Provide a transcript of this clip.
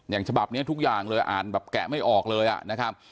ฉบับนี้ทุกอย่างเลยอ่านแบบแกะไม่ออกเลยนะครับ